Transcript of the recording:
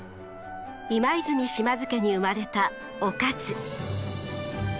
今和泉島津家に生まれた於一。